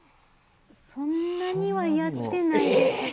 そんなにはやってないです。